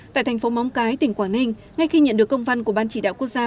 tại thành phố móng cái tỉnh quảng ninh ngay khi nhận được công văn của ban chỉ đạo quốc gia